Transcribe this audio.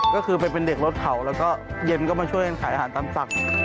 ก็คือไปเป็นเด็กรถเผาแล้วก็เย็นก็มาช่วยกันขายอาหารตามสั่ง